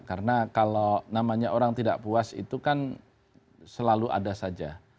karena kalau namanya orang tidak puas itu kan selalu ada saja